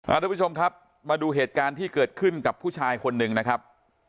ทุกผู้ชมครับมาดูเหตุการณ์ที่เกิดขึ้นกับผู้ชายคนหนึ่งนะครับ